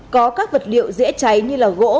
có các vật liệu dễ cháy như là gỗ